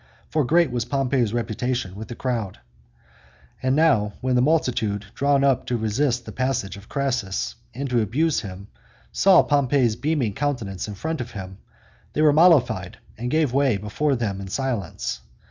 For great was Pompey's reputation with the crowd. And now, when the multitude drawn up to resist the passage of Crassus, and to abuse him, saw Pompey's beaming countenance in front of him, they were mollified, and gave way before them in silence.